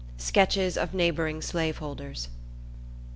IX. Sketches Of Neighboring Slaveholders.